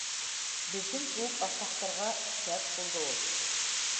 Беҙҙең кеүек ахмаҡтарға шәп булды ул